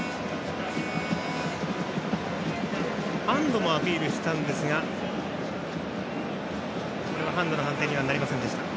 ハンドもアピールしたんですがハンドの判定にはなりませんでした。